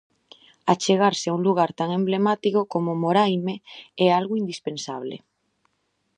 Achegarse a un lugar tan emblemático como Moraime é algo indispensable.